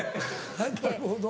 なるほど。